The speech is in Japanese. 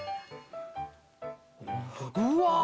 うわ！